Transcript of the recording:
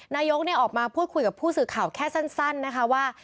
นายกออกมาพูดคุยกับผู้สื่อข่าวแค่สั้นนะคะว่า